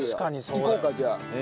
いこうかじゃあ。